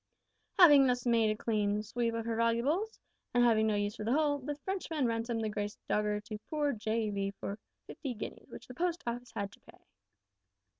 Having thus made a clean sweep of her valuables, and having no use for the hull, the Frenchman ransomed the `Grace Dogger' to poor J.V. for fifty guineas, which the Post Office had to pay!